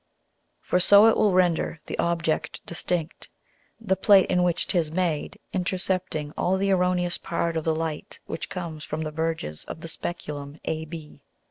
For so it will render the Object distinct, the Plate in which 'tis made intercepting all the erroneous part of the Light which comes from the verges of the Speculum AB.